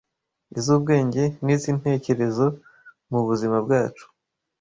iz’ubwenge n’iz’intekerezo mubuzima bwacu.